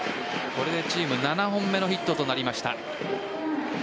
これでチーム７本目のヒットとなりました。